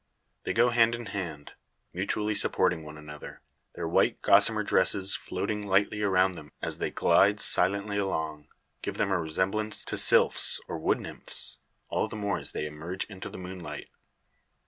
They go hand in hand, mutually supporting one another. Their white gossamer dresses, floating lightly around them as they glide silently along, give them a resemblance to sylphs, or wood nymphs, all the more as they emerge into the moonlight.